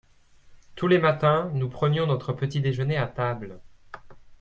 tous les matins nous prenions notre petit-déjeuner à table.